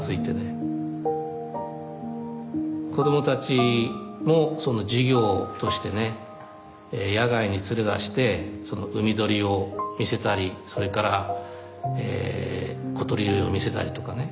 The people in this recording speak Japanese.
子供たちも授業としてね野外に連れ出して海鳥を見せたりそれから小鳥類を見せたりとかね。